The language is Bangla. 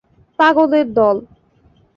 পাগলের দল!